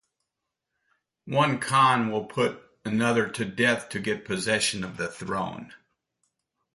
One Khan will put another to death to get possession of the throne.